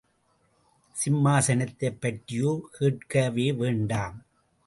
சிம்மாசனத்தைப் பற்றியோ கேட்கவே வேண்டாம்.